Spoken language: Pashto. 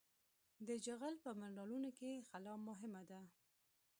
د جغل په منرالونو کې خلا مهمه ده